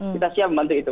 kita siap membantu itu